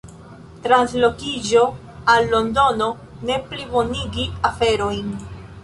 Translokiĝo al Londono ne plibonigi aferojn.